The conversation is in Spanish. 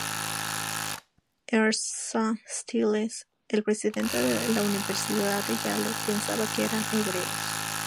Ezra Stiles, el presidente de la Universidad de Yale, pensaba que eran hebreos.